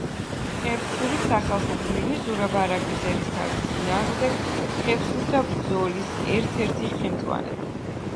ხევსური სახალხო გმირი, ზურაბ არაგვის ერისთავის წინააღმდეგ ხევსურთა ბრძოლის ერთ-ერთი ხელმძღვანელი.